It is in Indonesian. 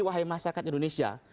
wahai masyarakat indonesia